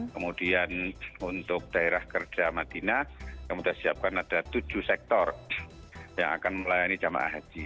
kemudian untuk daerah kerja madinah kami sudah siapkan ada tujuh sektor yang akan melayani jemaah haji